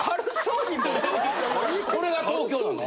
これが東京なの？